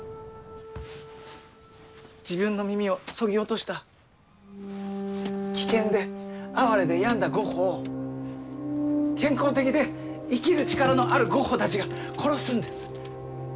自分の耳をそぎ落とした危険で哀れで病んだゴッホを健康的で生きる力のあるゴッホたちが殺すんです。